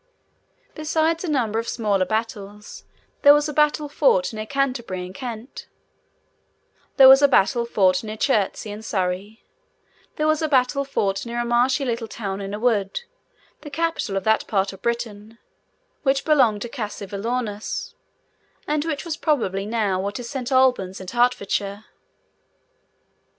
Besides a number of smaller battles, there was a battle fought near Canterbury, in Kent; there was a battle fought near Chertsey, in Surrey; there was a battle fought near a marshy little town in a wood, the capital of that part of Britain which belonged to Cassivellaunus, and which was probably near what is now Saint Albans, in Hertfordshire.